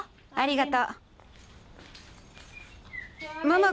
ありがとう。